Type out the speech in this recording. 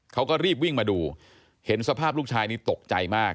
เขาก็รีบวิ่งมาดูเห็นสภาพลูกชายนี้ตกใจมาก